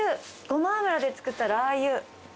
ごま油で作ったラー油。